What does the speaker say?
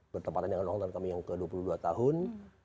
bertempatan dengan organ kami yang ke dua puluh dua tahun